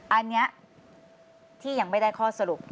อันนี้ที่ยังไม่ได้ข้อสรุป